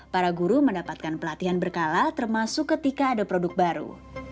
para guru mendapatkan pelatihan berkala termasuk ketika ada produk baru